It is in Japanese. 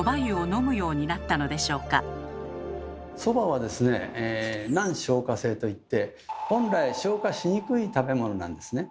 ではそばはですね「難消化性」といって本来消化しにくい食べ物なんですね。